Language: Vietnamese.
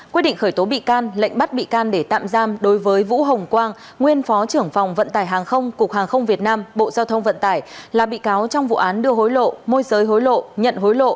quyết định khởi tố bị can lệnh bắt bị can để tạm giam đối với vũ hồng quang nguyên phó trưởng phòng vận tải hàng không cục hàng không việt nam bộ giao thông vận tải